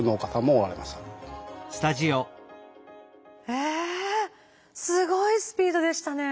えっすごいスピードでしたね。